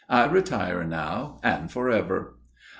I retire now and for ever."